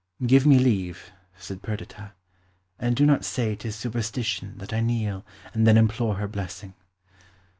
"Give me leave," said Perdita, "and do not say 'tis superstition that I kneel and then implore her blessing.